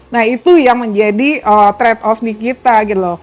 nah itu yang menjadi trade off di kita gitu loh